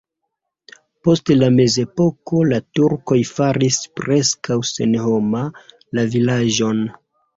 Post la mezepoko la turkoj faris preskaŭ senhoma la vilaĝon.